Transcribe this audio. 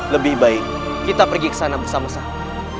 lebih baik kita pergi ke sana bersama sama